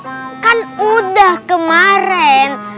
kapal kan udah kemarin